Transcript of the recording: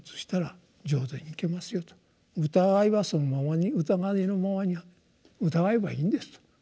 「疑いはそのままに疑いのままに疑えばいいんです」と。